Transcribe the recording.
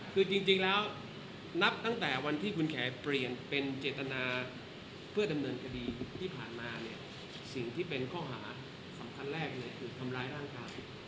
คือจริงแล้วนับตั้งแต่วันที่คุณแขกเปลี่ยนเป็นเจตนาเพื่อดำเนินคดีที่ผ่านมาเนี่ยสิ่งที่เป็นข้อหาสำคัญแรกเลยคือทำร้ายร่างกาย